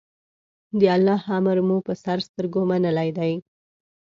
د الله امر مو په سر سترګو منلی دی.